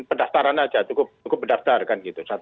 pendaftaran saja cukup mendaftarkan